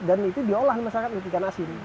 dan itu diolah masyarakat itu ikan asin